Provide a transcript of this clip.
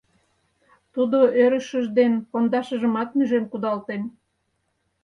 Тудо ӧрышыж ден пондашыжымат нӱжен кудалтен.